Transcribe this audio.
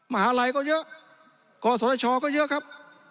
มหาลัยก็เยอะกศชก็เยอะครับ